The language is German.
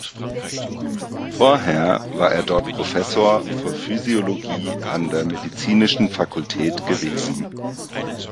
Vorher war er dort Professor für Physiologie an der medizinischen Fakultät gewesen.